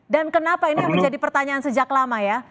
dan kenapa ini menjadi pertanyaan sejak lama ya